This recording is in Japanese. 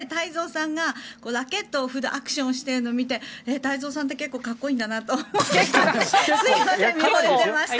私、今画面で太蔵さんがラケットを振るアクションをしているのを見て太蔵さんって結構かっこいいんだなと思いました。